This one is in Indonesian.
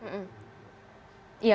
ya kenapa kemudian